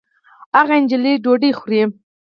هغه نجلۍ ډوډۍ خوري